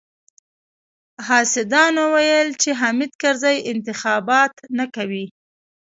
حاسدانو ويل چې حامد کرزی انتخابات نه کوي.